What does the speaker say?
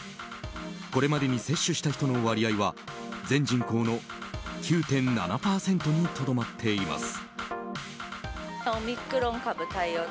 これまでに接種した人の割合は全人口の９．７％にとどまっています。